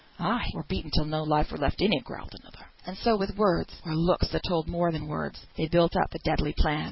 "Ay! or beaten till no life were left in him," growled another. And so with words, or looks that told more than words, they built up a deadly plan.